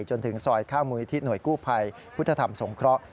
จนถึงซอยข้าวมุยที่หน่วยกู้ภัยพุทธธรรมสงเคราะห์